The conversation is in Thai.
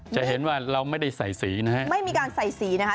จะเห็นว่าเราไม่ได้ใส่สีนะฮะไม่มีการใส่สีนะคะ